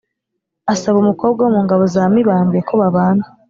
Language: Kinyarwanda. asaba umukobwa wo mu ngabo za mibambwe ko babana